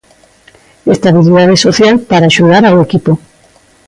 Estabilidade social para axudar ao equipo.